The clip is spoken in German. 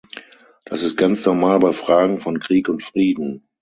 Das ist ganz normal bei Fragen von Krieg und Frieden.